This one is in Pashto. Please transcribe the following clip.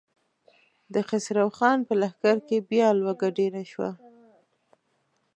د خسرو خان په لښکر کې بيا لوږه ډېره شوه.